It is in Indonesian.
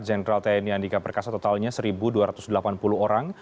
jenderal tni andika perkasa totalnya satu dua ratus delapan puluh orang